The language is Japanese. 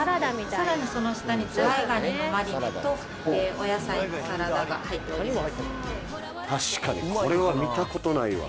さらにその下にズワイガニのマリネとお野菜のサラダが入っております